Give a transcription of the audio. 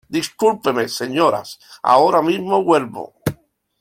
Discúlpenme, señoras. Ahora mismo vuelvo .